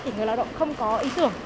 thì người lao động không có ý tưởng